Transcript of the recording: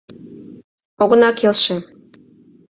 — Огына келше!